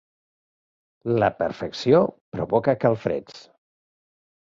La perfecció provoca calfreds.